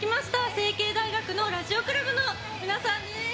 成蹊大学のラジオクラブの皆さんです。